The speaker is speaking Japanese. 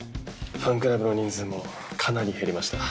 ファンクラブの人数もかなり減りました。